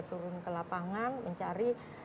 turun ke lapangan mencari